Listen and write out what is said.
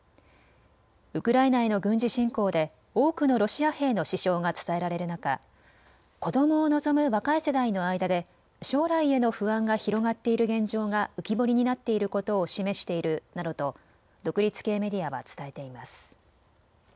ウクライナへの軍事侵攻で多くのロシア兵の死傷が伝えられる中、子どもを望む若い世代の間で将来への不安が広がっている現状が浮き彫りになっていることを示しているなどと独立系メディアは伝えています。